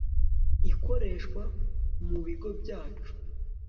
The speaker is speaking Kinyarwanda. Ikoreshwa mu Bigo Byacu